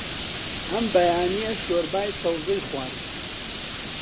ئەم بەیانییە شۆربای سەوزەی خوارد.